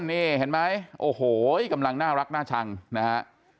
นี่เห็นไหมโอ้โหกำลังน่ารักน่าชังนะฮะ